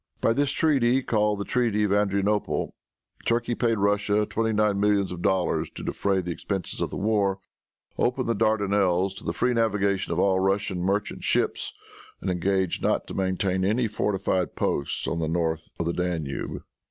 By this treaty, called the treaty of Adrianople, Turkey paid Russia twenty nine millions of dollars to defray the expenses of the war, opened the Dardanelles to the free navigation of all Russian merchant ships, and engaged not to maintain any fortified posts on the north of the Danube.